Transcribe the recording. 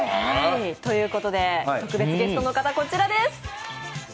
ということで特別ゲストの方、こちらです。